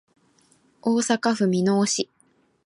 大阪府箕面市